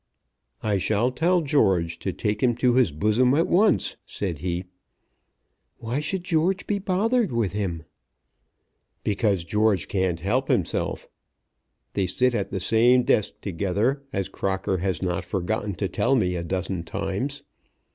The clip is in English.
"I shall tell George to take him to his bosom at once," said he. "Why should George be bothered with him?" "Because George can't help himself. They sit at the same desk together, as Crocker has not forgotten to tell me a dozen times.